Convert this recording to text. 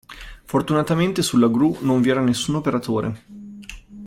Fortunatamente sulla gru non vi era nessun operatore.